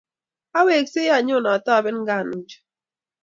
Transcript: Aweeksei anyo atoben anganik chu